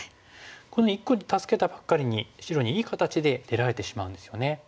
この１個を助けたばっかりに白にいい形で出られてしまうんですよね。